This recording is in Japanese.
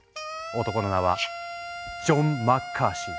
男の名はジョン・マッカーシー。